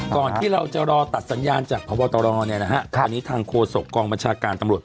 ก่อนที่เราจะรอตัดสัญญาณจากพวตรเนี่ยนะฮะทางโครสกองประชาการตำรวจ